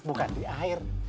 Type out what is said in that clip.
bukan di air